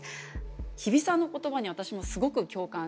日比さんの言葉に私もすごく共感して。